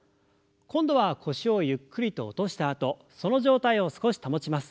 今度は腰をゆっくりと落としたあとその状態を少し保ちます。